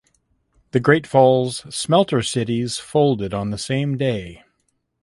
The Great Falls Smelter Cities folded on the same day.